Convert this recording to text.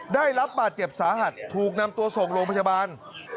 ได้รับบาดเจ็บสาหัสถูกนำตัวส่งโรงพยาบาล